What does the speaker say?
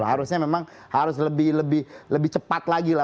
harusnya memang harus lebih cepat lagi lah